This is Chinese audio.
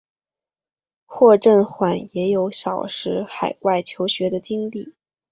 霍震寰也有少时海外求学的经历。